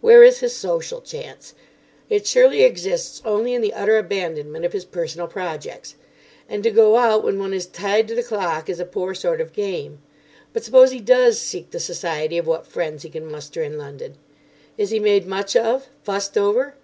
Where is his social chance? It surely exists only in the utter abandonment of his personal projects. And to go out when one is tied to the clock is a poor sort of game. But suppose he does seek the society of what friends he can muster in London. Is he made much of, fussed over?